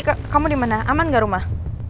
kak kamu di mana aman gak rumah